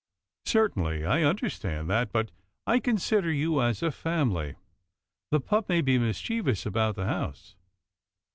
" Certainly, I understand that, but I consider you as a family. The pup may be mischievous about the house."